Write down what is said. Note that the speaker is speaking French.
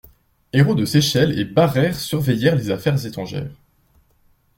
Hérault de Séchelles et Barère surveillèrent les affaires étrangères.